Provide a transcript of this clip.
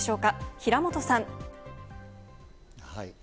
平本さん。